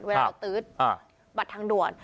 เวลาเราตื๊ดบัตรทางด่วน